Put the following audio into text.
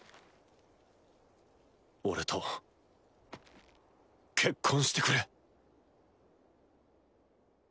俺と結婚してくれ。